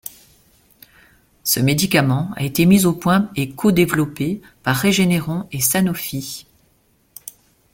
Ce médicament a été mis au point par et codéveloppé par Regeneron et Sanofi.